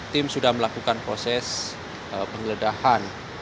tim sudah melakukan proses penggeledahan